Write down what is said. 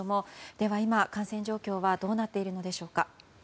では今、感染状況はどうなっているのでしょうか。